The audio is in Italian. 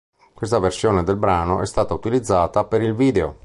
Questa versione del brano è stata utilizzata per il video.